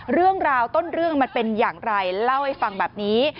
เรื่องราวต้นเรื่องมันเป็นอย่างไรเล่าให้ฟังแบบนี้